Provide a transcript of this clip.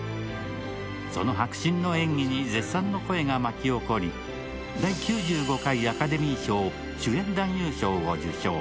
その迫真の演技に絶賛の声が巻き起こり、第９５回アカデミー賞主演男優賞を受賞。